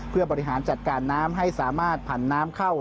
เพื่อบริหารจัดการน้ำให้สามารถผ่านน้ำเข้า